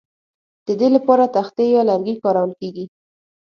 د دې لپاره تختې یا لرګي کارول کیږي